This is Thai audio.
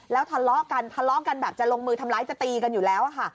แล้วทะเลาะกันทะเลาะกันแบบจะลงมือทำร้ายจะตีกันอยู่แล้วค่ะ